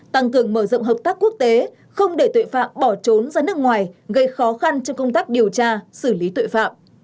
tăng cường mở rộng hợp tác quốc tế không để tội phạm bỏ trốn ra nước ngoài gây khó khăn trong công tác điều tra xử lý tội phạm